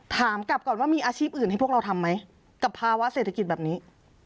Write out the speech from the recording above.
ถามกลับก่อนว่ามีอาชีพอื่นให้พวกเราทำไหมกับภาวะเศรษฐกิจแบบนี้